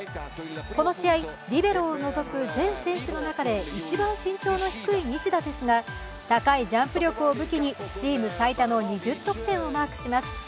この試合、リベロを除く全選手の中で一番身長の低い西田ですが、高いジャンプ力を武器にチーム最多の２０得点をマークします。